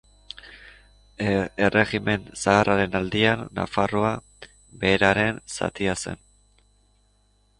Erregimen Zaharraren aldian, Nafarroa Beherearen zati zen.